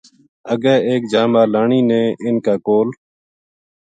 اَگے ایک جا ما لانی نے اِنھ کا کول